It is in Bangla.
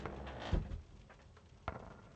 আমি তখন থেকেই আমার সাথে হ্যান্ড স্যানিটাইজার রাখি।